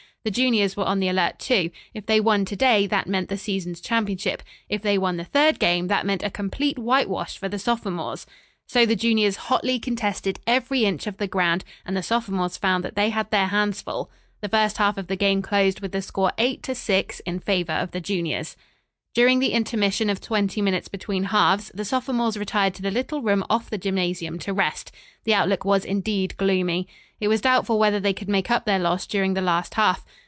The juniors were on the alert, too. If they won to day that meant the season's championship. If they won the third game, that meant a complete whitewash for the sophomores. So the juniors hotly contested every inch of the ground, and the sophomores found that they had their hands full. The first half of the game closed with the score 8 to 6 in favor of the juniors. During the intermission of twenty minutes between halves, the sophomores retired to the little room off the gymnasium to rest. The outlook was indeed gloomy. It was doubtful whether they could make up their loss during the last half.